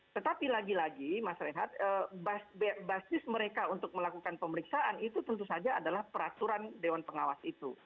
tetapi lagi lagi mas rehat basis mereka untuk melakukan pemeriksaan itu tentu saja adalah peraturan dewan pengawas itu